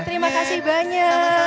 terima kasih banyak